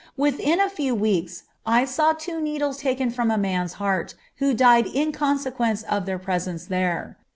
Within a few weeks I saw two needles taken from a man's heart, who died in consequence of their presence there.